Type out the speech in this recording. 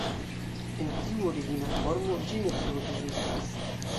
En tiu origina formo ĝi ne plu ekzistas.